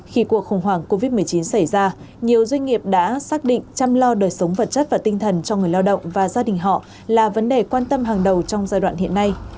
khi cuộc khủng hoảng covid một mươi chín xảy ra nhiều doanh nghiệp đã xác định chăm lo đời sống vật chất và tinh thần cho người lao động và gia đình họ là vấn đề quan tâm hàng đầu trong giai đoạn hiện nay